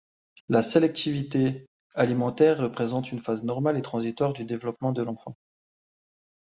La sélectivité alimentaire représente une phase normale et transitoire du développement de l’enfant.